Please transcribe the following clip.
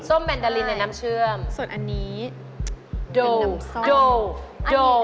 แมนดาลินในน้ำเชื่อมส่วนอันนี้โดน้ำส้มโด